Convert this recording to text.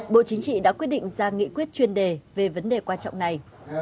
bộ chính trị đã quyết định ra nghị quyết chuyên đề về vấn đề quan trọng này